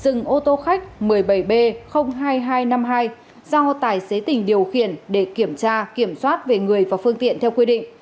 dừng ô tô khách một mươi bảy b hai nghìn hai trăm năm mươi hai do tài xế tình điều khiển để kiểm tra kiểm soát về người và phương tiện theo quy định